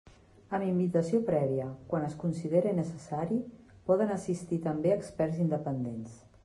Amb invitació prèvia, quan es considere necessari, poden assistir també experts independents.